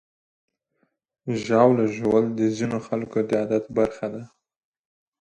ژاوله ژوول د ځینو خلکو د عادت برخه ده.